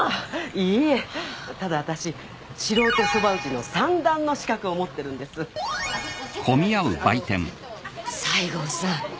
いいえただ私素人そば打ちの三段の資格を持ってるんです西郷さん